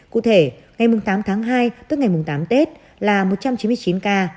cụ thể ngày tám tháng hai tức ngày tám tết là một trăm chín mươi chín ca